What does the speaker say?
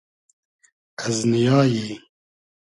از نییای